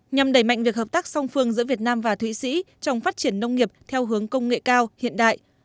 nhằm đẩy mạnh việc hợp tác song phương giữa việt nam và thụy sĩ trong phát triển nông nghiệp theo hướng công nghệ cao hiện đại